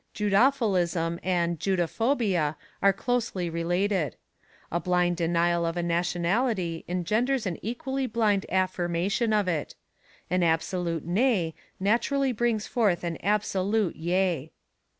"Judophilism" and "Judophobia" are closely related. A blind denial of a nationality engenders an equally blind affirmation of it. An absolute "Nay" naturally brings forth an absolute "Yea."